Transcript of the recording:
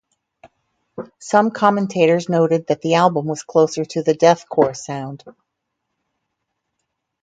Some commentators noted that the album was closer to the deathcore sound.